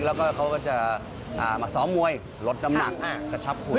แล้วก็จะมาซ้อมมวยลดน้ำหนักกระชับผล